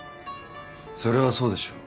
それはそうでしょう。